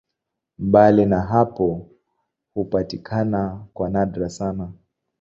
Mbali na hapo hupatikana kwa nadra sana.